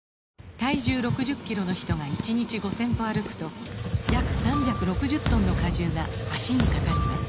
体重６０キロの人が１日５０００歩歩くと約３６０トンの荷重が脚にかかります